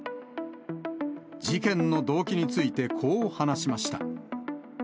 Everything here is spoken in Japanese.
事件の動機について、こう話しました。